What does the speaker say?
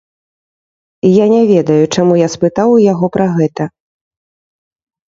Я не ведаю, чаму я спытаў у яго пра гэта.